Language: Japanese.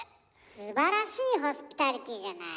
すばらしいホスピタリティーじゃない。